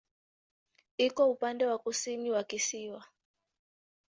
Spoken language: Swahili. Iko upande wa kusini wa kisiwa.